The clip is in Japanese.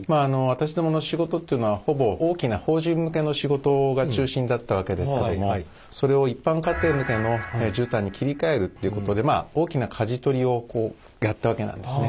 私どもの仕事っていうのはほぼ大きな法人向けの仕事が中心だったわけですけどもそれを一般家庭向けの絨毯に切り替えるっていうことでまあ大きなかじ取りをやったわけなんですね。